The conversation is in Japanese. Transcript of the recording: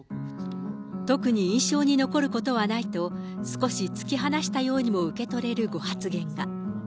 特に印象に残ることはないと、少し突き放したようにも受け取れるご発言が。